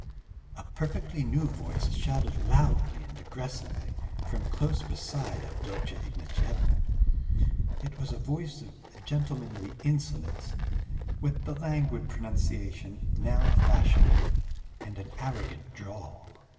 a perfectly new voice shouted loudly and aggressively from close beside Avdotya Ignatyevna. It was a voice of gentlemanly insolence, with the languid pronunciation now fashionable and an arrogant drawl.